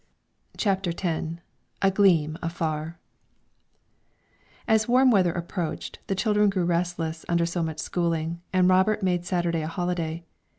CHAPTER X A GLEAM AFAR As warm weather approached, the children grew restless under so much schooling, and Robert made Saturday a holiday.